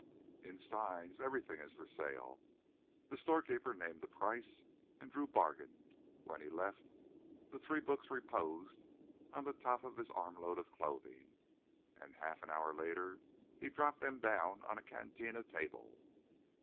"In Stein's everything is for sale." The storekeeper named a price, and Drew bargained. When he left, the three books reposed on the top of his armload of clothing, and a half hour later he dropped them down on a cantina table.